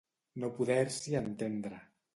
No poder-s'hi entendre.